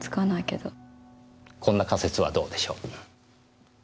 こんな仮説はどうでしょう？